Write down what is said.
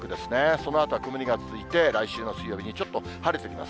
そのあとは曇りが続いて、来週の水曜日にちょっと晴れてきます。